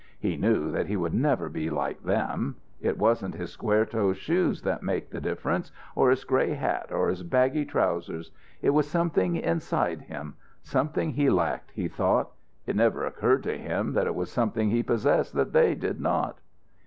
He knew that he would never be like them. It wasn't his square toe shoes that made the difference, or his grey hat, or his baggy trousers. It was something inside him something he lacked, he thought. It never occurred to him that it was something he possessed that they did not.